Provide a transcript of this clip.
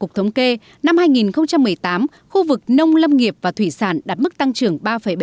cục thống kê năm hai nghìn một mươi tám khu vực nông lâm nghiệp và thủy sản đạt mức tăng trưởng ba bảy mươi sáu